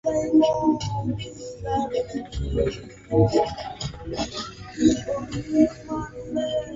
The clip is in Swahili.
Wanyama wengine wanaoathirika na ugonjwa wa miguu na mdomo ni ngombe